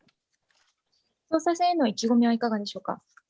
総裁選への意気込みはいかがでしょうか。